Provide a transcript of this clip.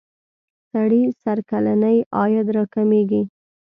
سړي سر کلنی عاید را کمیږی.